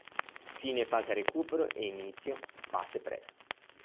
Fine fase recupero e inizio fase presa